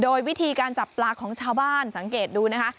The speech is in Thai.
โดยวิธีการจับปลาของชาวบ้านสังเกตดูนะคะ